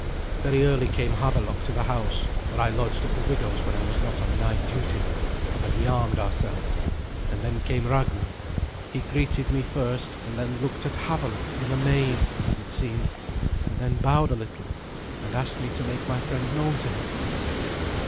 Very early came Havelok to the house, for I lodged at the widow's when I was not on night duty; and we armed ourselves, and then came Ragnar. He greeted me first, and then looked at Havelok in amaze, as it seemed, and then bowed a little, and asked me to make my friend known to him.